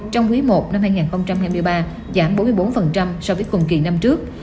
trong quý i năm hai nghìn hai mươi ba giảm bốn mươi bốn so với cùng kỳ năm trước